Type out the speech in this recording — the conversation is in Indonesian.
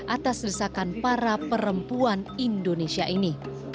atas desakan para perempuan indonesia ini